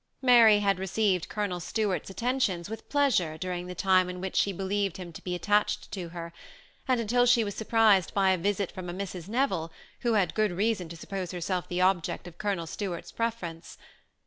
Mary had received Colonel Stuart's attentions with pleas ure during the time in which she believed him to be attached to her, and until she was surprised bj a visit from a Mrs. Neville, who had good reason to suppose herself the object of Colonel Stuart's preference.